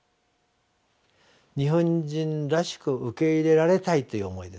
日本人らしく受け入れられたいという思いです。